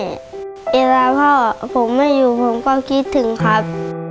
เวลาพ่อผมไม่อยู่ผมก็คิดถึงครับ